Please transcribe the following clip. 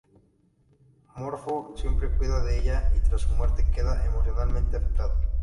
Morfo siempre cuida de ella y tras su muerte queda emocionalmente afectado.